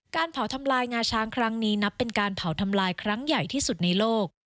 การเผาทำลายงาช้างครั้งนี้นับเป็นการเผาทำลายครั้งใหญ่ที่สุดในโลก